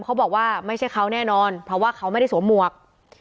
เขาบอกว่าไม่ใช่เขาแน่นอนเพราะว่าเขาไม่ได้สวมหมวก